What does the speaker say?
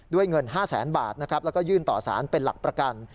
ด้วยเงิน๕๐๐๐๐๐บาทแล้วก็ยื่นต่อสารเป็นหลักประกัน